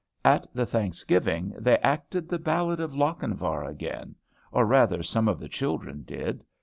At the Thanksgiving they acted the ballad of Lochinvar again, or rather some of the children did.